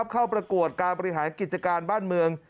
ประกวดการบริหารกิจการบ้านเมือง